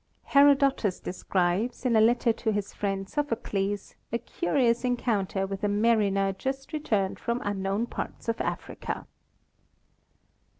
Herodotus describes, in a letter to his friend Sophocles, a curious encounter with a mariner just returned from unknown parts of Africa.